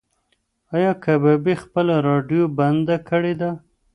ایا کبابي خپله راډیو بنده کړې ده؟